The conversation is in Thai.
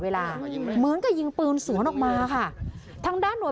เวลาเหมือนกับยิงปืนสวนออกมาค่ะทางด้านหน่วย